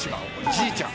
じいちゃん。